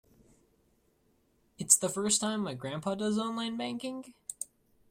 It's the first time my grandpa does online banking.